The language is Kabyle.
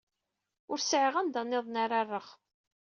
Ur sɛiɣ anda nniḍen ara rreɣ.